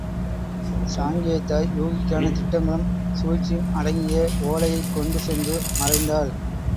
சாங்கியத் தாய் யூகிக்கான திட்டங்களும் சூழ்ச்சியும் அடங்கிய ஒலையைக் கொண்டு சென்று மறைந்தாள்.